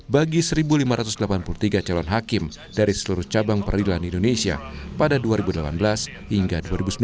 bagi satu lima ratus delapan puluh tiga calon hakim dari seluruh cabang peradilan indonesia pada dua ribu delapan belas hingga dua ribu sembilan belas